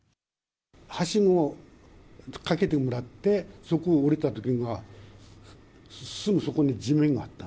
はしごをかけてもらって、そこを下りたときには、すぐそこに地面があった。